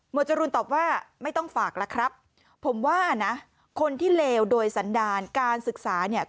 จรูนตอบว่าไม่ต้องฝากล่ะครับผมว่านะคนที่เลวโดยสันดาลการศึกษาเนี่ย